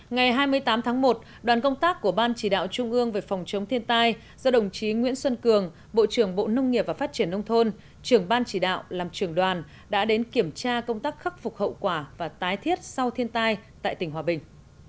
ngày hai mươi tám tháng một đoàn công tác của ban chỉ đạo trung ương về phòng chống thiên tai do đồng chí nguyễn xuân cường bộ trưởng bộ nông nghiệp và phát triển nông thôn trưởng ban chỉ đạo làm trưởng đoàn đã đến kiểm tra công tác khắc phục hậu quả và tái thiết sau thiên tai tại tỉnh hòa bình